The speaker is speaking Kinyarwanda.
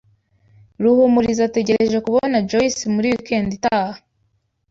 Ruhumuriza ategereje kubona Joyce muri wikendi itaha.